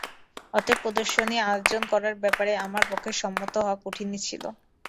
অতএব প্রদর্শনী আয়োজন করার ব্যাপারে আমার পক্ষে সম্মত হওয়া কঠিনই ছিল।